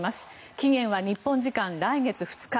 期限は日本時間来月２日。